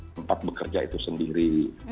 tempat bekerja itu sendiri